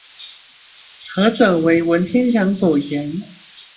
何者為文天祥所言？